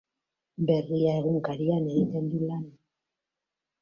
Berria egunkarian egiten du lan.